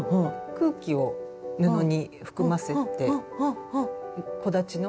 空気を布に含ませて木立の空気感を。